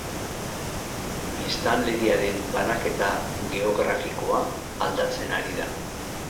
Biztanleriaren banaketa geografikoa aldatzen ari da.